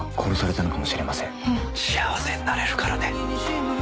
「幸せになれるからね」